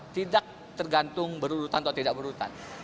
tidak tergantung berurutan atau tidak berurutan